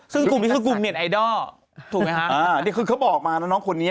ซึ่งกลุ่มนี้คือกลุ่มเน็ตไอดอลถูกไหมฮะอ่านี่คือเขาบอกมานะน้องคนนี้